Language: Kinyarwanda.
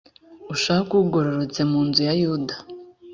ushake ugororotse mu nzu ya yuda